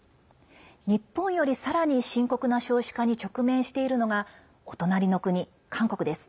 日本より、さらに深刻な少子化に直面しているのがお隣の国、韓国です。